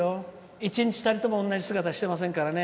１日たりとも同じ姿をしていませんからね。